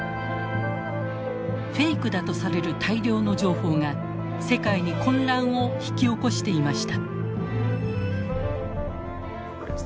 フェイクだとされる大量の情報が世界に混乱を引き起こしていました。